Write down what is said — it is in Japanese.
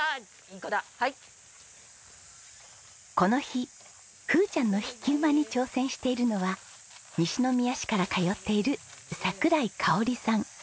この日ふーちゃんの引き馬に挑戦しているのは西宮市から通っている櫻井香織さん。